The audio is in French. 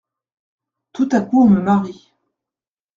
Tout à coup on me marie…